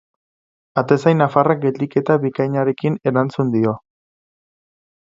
Atezain nafarrak geldiketa bikainarekin erantzun dio.